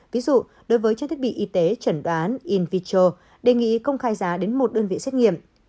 ví dụ đối với trang thiết bị y tế trần đoán invitro đề nghị công khai giá đến một đơn vị xét nghiệm